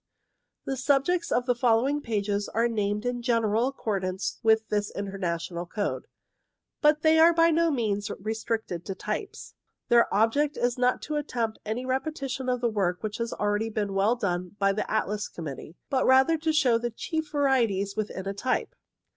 The subjects of the following pages are named in general accordance with this International Code, but they are by no means restricted to types. Their object is not to attempt any repetition of the work which has already been well done by the Atlas Committee, but rather to show the chief varieties within a type.